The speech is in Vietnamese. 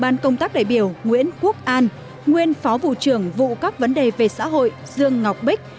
ban công tác đại biểu nguyễn quốc an nguyên phó vụ trưởng vụ các vấn đề về xã hội dương ngọc bích